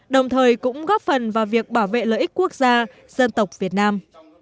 đồng thời cũng góp phần vào việc bảo vệ lợi ích quốc gia dân tộc việt nam